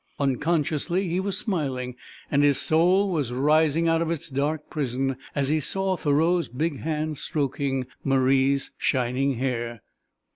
Unconsciously he was smiling and his soul was rising out of its dark prison as he saw Thoreau's big hand stroking Marie's shining hair.